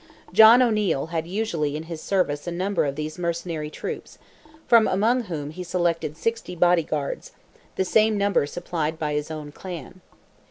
John O'Neil had usually in his service a number of these mercenary troops, from among whom he selected sixty body guards, the same number supplied by his own clan.